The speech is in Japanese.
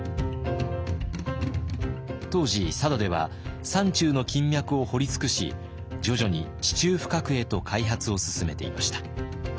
当時佐渡では山中の金脈を掘り尽くし徐々に地中深くへと開発を進めていました。